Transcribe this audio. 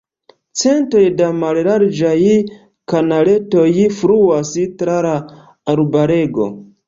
Centoj da mallarĝaj kanaletoj fluas tra la arbarego.